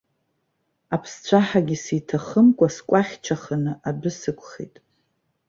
Аԥсцәаҳагьы сиҭахымкәа, скәахьчаханы, адәы сықәхеит.